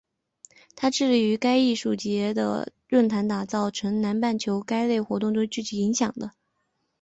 它致力于将该艺术节和论坛打造成南半球该类活动中最具影响力的。